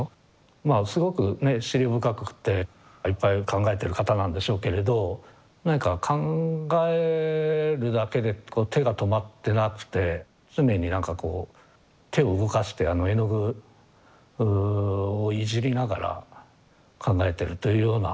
まあすごくねえ思慮深くていっぱい考えてる方なんでしょうけれど何か考えるだけで手が止まってなくて常に何かこう手を動かして絵の具をいじりながら考えてるというような。